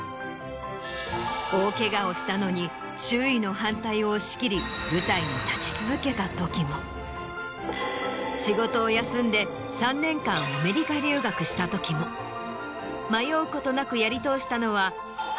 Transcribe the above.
大ケガをしたのに周囲の反対を押し切り舞台に立ち続けたときも仕事を休んで３年間アメリカ留学したときも迷うことなくやり通したのは。